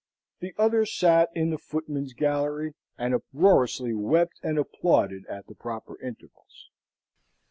The other sate in the footman's gallery, and uproariously wept and applauded at the proper intervals.